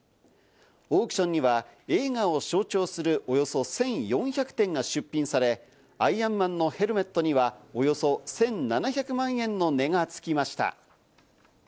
オークションには映画を象徴する、およそ１４００点が出品され、アイアンマンのヘルメットにはおよそ１７００万円の値がつきました。